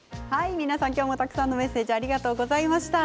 皆さん今日もたくさんのメッセージありがとうございました。